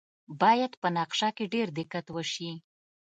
باید په نقشه کې ډیر دقت وشي